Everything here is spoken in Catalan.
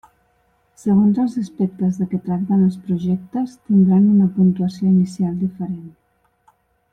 Segons els aspectes de què tracten els projectes, tindran una puntuació inicial diferent.